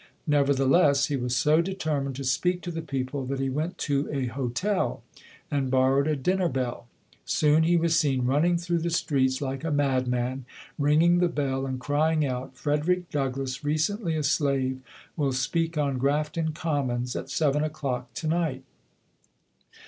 Nevertheless, he was so determined to speak to the people that he went to a hotel and borrowed a dinner bell. Soon he was seen running through the streets like a madman, ringing the bell and crying out, "Frederick Douglass, recently a slave, will speak on Grafton Commons at seven o'clock tonight".